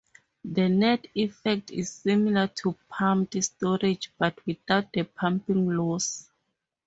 The net effect is similar to pumped storage, but without the pumping loss.